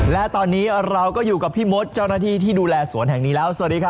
และตอนนี้เราก็อยู่กับพี่มดเจ้าหน้าที่ที่ดูแลสวนแห่งนี้แล้วสวัสดีครับ